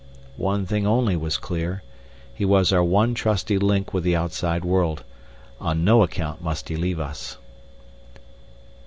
One thing only was clear. He was our one trusty link with the outside world. On no account must he leave us.